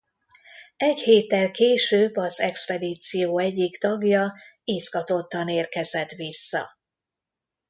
Egy héttel később az expedíció egyik tagja izgatottan érkezett vissza.